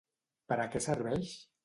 Per a què serveix?